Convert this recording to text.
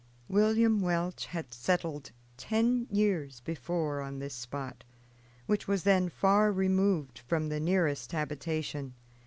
William Welch had settled ten years before on this spot, which was then far removed from the nearest habitation.